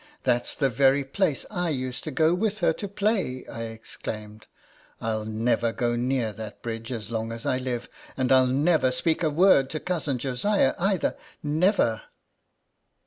" That 's the very place I used to go with her to play," I exclaimed. " I '11 never go near that bridge as long as I live, and I '11 never speak a word to Cousin Josiah either never